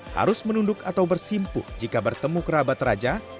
harus menunduk atau bersimpuh jika bertemu kerabat raja